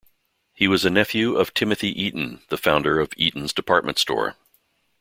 He was a nephew of Timothy Eaton, the founder of Eaton's department store.